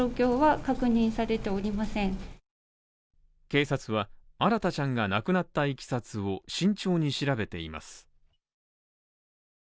警察は、新大ちゃんが亡くなった経緯を慎重に調べています。